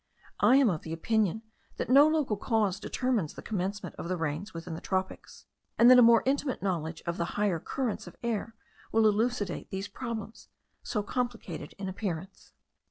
I am of opinion that no local cause determines the commencement of the rains within the tropics; and that a more intimate knowledge of the higher currents of air will elucidate these problems, so complicated in appearance.